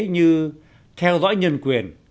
như theo dõi nhân quyền